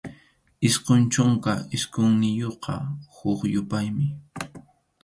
Isqun chunka isqunniyuqqa huk yupaymi.